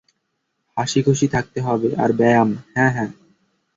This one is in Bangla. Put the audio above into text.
হাসিখুশী থাকতে হবে আর ব্যায়াম-- হ্যাঁ, হ্যাঁ।